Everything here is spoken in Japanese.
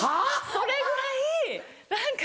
それぐらい何か。